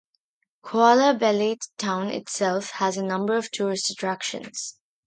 Kuala Belait town itself has a number of tourist attractions.